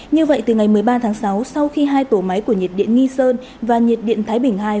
như vậy từ ngày một mươi ba tháng sáu sau khi hai tổ máy của nhiệt điện nghi sơn và nhiệt điện thái bình ii